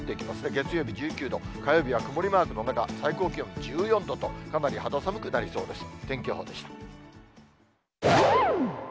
月曜日１９度、火曜日は曇りマークの中、最高気温１４度と、かなり肌寒くなりそうです。